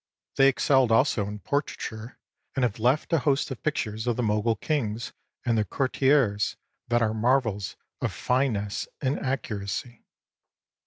They excelled also in portraiture, and have left a host of pictures of the Mogul kings and their courtiers that are marvels of fineness and accuracy.